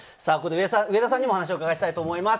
上田さんにもお話を伺いたいと思います。